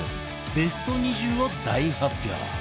ベスト２０を大発表